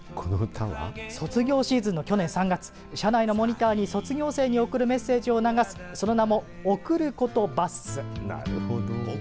卒業シーズンの去年３月車内のモニターに卒業生に贈るメッセージを流すその名も贈る言葉ッス。